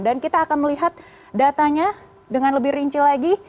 dan kita akan melihat datanya dengan lebih rinci lagi